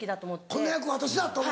この役私だ！と思って。